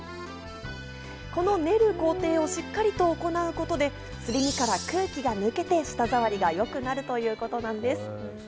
この練る工程をしっかりと行うことで、すり身から空気が抜けて、舌触りが良くなるということなんです。